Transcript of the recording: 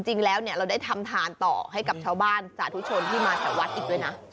จริงแล้วเนี่ยเราได้ทำทานต่อให้กับชาวบ้านสาธุชนที่มาแต่วัดซาธุ